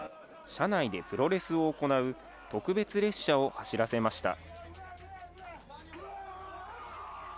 車内でプロレスを行う特別列車を走らせました。